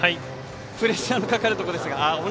プレッシャーのかかるところでした。